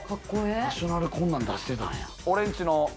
ナショナルこんなん出してたんや。